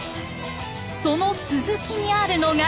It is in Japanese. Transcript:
その続きにあるのが。